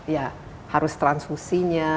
ya harus transfusinya